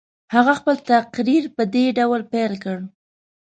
هغه خپل تقریر په دې ډول پیل کړ.